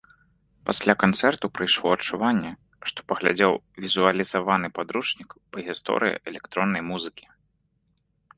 Пасля канцэрту прыйшло адчуванне, што паглядзеў візуалізаваны падручнік па гісторыі электроннай музыкі.